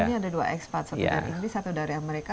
jadi ini ada dua ekspat satu dari inggris satu dari amerika